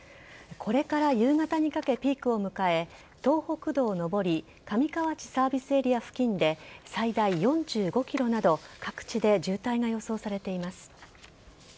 これから夕方にかけピークを迎え東北道上り上河内サービスエリア付近で最大４５ｋｍなど各地で渋滞が予想されています。